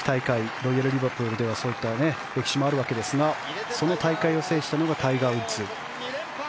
ロイヤルリバプールにはそういった歴史もあるわけですがその大会を制したのがタイガー・ウッズ。